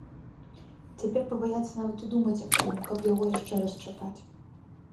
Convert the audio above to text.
Цяпер пабаяцца нават і думаць аб тым, каб яго яшчэ раз чапаць.